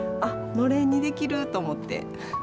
のれんにできると思って。